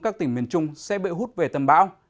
các tỉnh miền trung sẽ bị hút về tâm bão